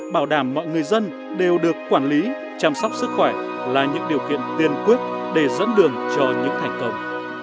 bảo đảm mọi người dân đều được quản lý chăm sóc sức khỏe là những điều kiện tiên quyết để dẫn đường cho những thành công